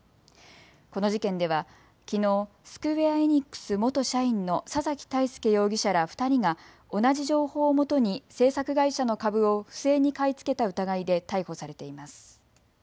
この事件ではきのうスクウェア・エニックス元社員の佐崎泰介容疑者ら２人が同じ情報をもとに制作会社の株を不正に買い付けた疑いで逮捕されています。